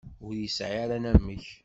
Ur yesɛi ara anamek.